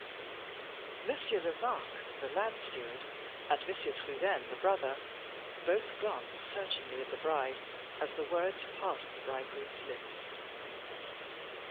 Monsieur Lomaque, the land steward, and Monsieur Trudaine, the brother, both glanced searchingly at the bride, as the words passed the bridegroom's lips.